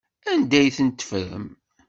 Anda ay ten-ffren?